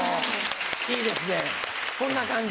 いいですねこんな感じ。